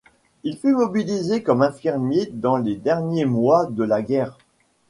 Il fut mobilisé comme infirmier dans les derniers mois de la guerre.